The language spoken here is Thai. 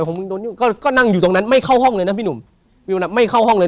ผมก็นั่งอยู่ตรงนั้นไม่เข้าห้องเลยนะพี่หนุ่มไม่เข้าห้องเลย